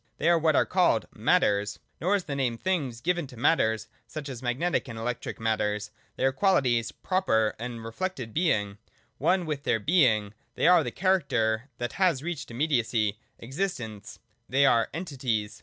They are what are called Matters. Nor is the name ' things ' given to Matters, such as magnetic and electric matters. They are qualities pro per, a reflected Being, — one with their Being, — they are the character that has reached immediacy, existence : they are ' entities.'